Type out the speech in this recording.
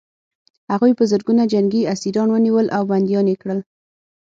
هغوی په زرګونه جنګي اسیران ونیول او بندیان یې کړل